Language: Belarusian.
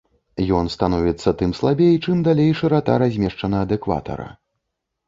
Ён становіцца тым слабей, чым далей шырата размешчана ад экватара.